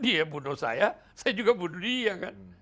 dia bunuh saya saya juga bunuh dia kan